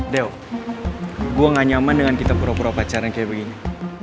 deo gue gak nyaman dengan kita pura pura pacaran kayak begini